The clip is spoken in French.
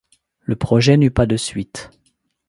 Le projet n'eut pas de suite.